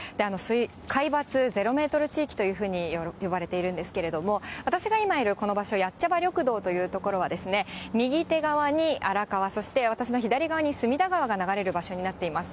海抜ゼロメートル地域というふうに言われているんですけれども、私が今いるこの場所、やっちゃば緑道という所は、右手側に荒川、そして私の左側に隅田川が流れる場所になっています。